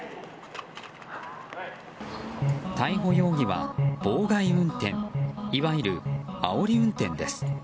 逮捕容疑は妨害運転いわゆる、あおり運転です。